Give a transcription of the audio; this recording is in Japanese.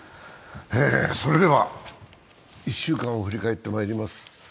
では１週間を振り返ってまいります